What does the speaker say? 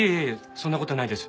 そんな事ないです。